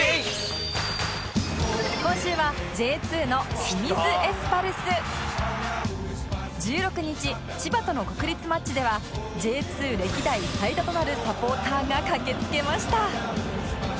今週は１６日千葉との国立マッチでは Ｊ２ 歴代最多となるサポーターが駆けつけました